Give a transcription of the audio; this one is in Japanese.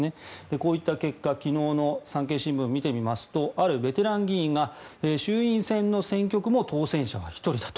こういった結果昨日の産経新聞を見てみますとあるベテラン議員が衆院選の選挙区も当選者は１人だと。